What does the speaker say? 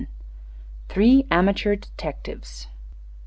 THREE AMATEUR DETECTIVES.